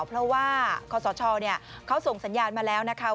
เพราะว่าคศเขาส่งสัญญาณมาแล้วนะคะ